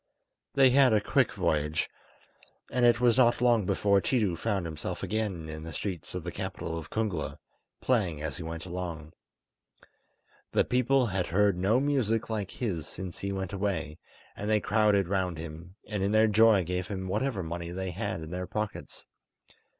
They had a quick voyage, and it was not long before Tiidu found himself again in the streets of the capital of Kungla, playing as he went along. The people had heard no music like his since he went away, and they crowded round him, and in their joy gave him whatever money they had in their pockets.